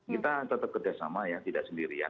kita tetap kerjasama ya tidak sendirian